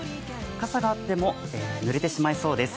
傘があってもぬれてしまいそうです。